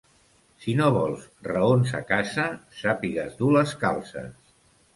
Si no vols raons a casa, sàpigues dur les calces.